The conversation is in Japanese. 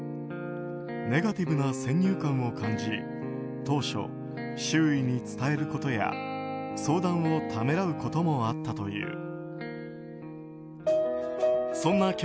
ネガティブな先入観を感じ当初、周囲に伝えることや相談をためらうこともあったという。